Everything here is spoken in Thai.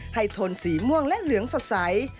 ทนสีม่วงและเหลืองสดใส